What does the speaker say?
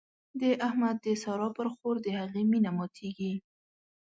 د احمد د سارا پر خور د هغې مينه ماتېږي.